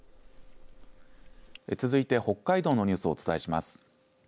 続いて北海道のニュースをお伝えします。